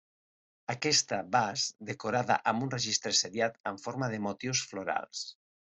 Aquesta vas decorada amb un registre seriat en forma de motius florals.